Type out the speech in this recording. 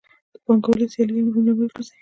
د پانګوالو سیالي یو مهم لامل ګرځي